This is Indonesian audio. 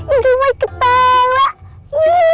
ini gue ketawa